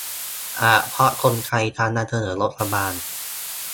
อาจเพราะกลไกการนำเสนองบประมาณ